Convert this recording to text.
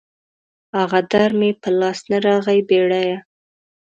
هغه در مې په لاس نه راغی بېړيه